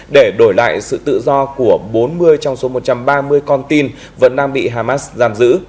để đổi lại sự tự do của bốn mươi trong số một trăm ba mươi con tin vẫn đang bị hamas giam giữ